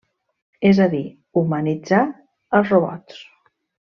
És a dir, 'humanitzar' als robots.